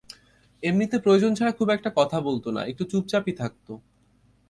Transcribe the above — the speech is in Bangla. এমনিতে প্রয়োজন ছাড়া খুব একটা কথা বলত না, একটু চুপচাপই থাকত।